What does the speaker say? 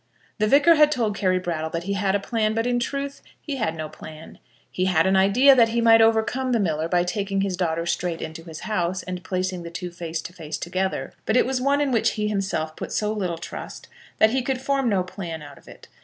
The Vicar had told Carry Brattle that he had a plan, but, in truth, he had no plan. He had an idea that he might overcome the miller by taking his daughter straight into his house, and placing the two face to face together; but it was one in which he himself put so little trust, that he could form no plan out of it.